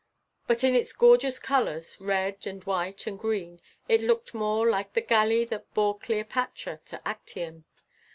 But in its gorgeous colours, red and white and green, it looked more like the galley that bore Cleopatra to Actium.